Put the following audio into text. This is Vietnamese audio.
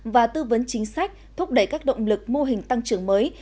và tư vấn chính sách thúc đẩy các động lực mô hình tăng trưởng mới